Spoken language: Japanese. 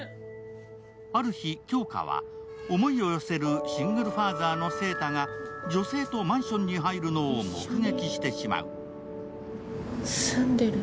ある日、杏花は思いを寄せるシングルファーザーの晴太が女性とマンションに入るのを目撃してしまう。